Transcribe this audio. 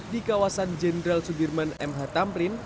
di kawasan jenderal sudirman mh tamrin